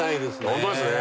ホントですね。